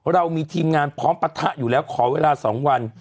เรามีทีมงานพร้อมปะทะอยู่แล้วขอเวลา๒วัน